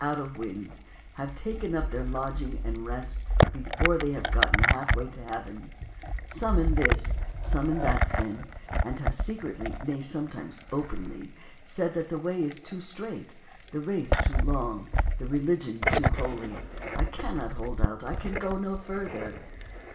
149 THE WORLD'S FAMOUS ORATIONS wind, have taken up their lodging and rest before they have gotten half way to heaven, some in this, some in that sin, and have secretly, nay, some times openly, said that the way is too straight, the race too long, the religion too holy — I can not hold out, I can go no further.